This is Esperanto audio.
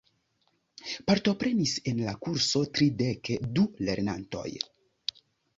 Partoprenis en la kurso tridek du lernantoj.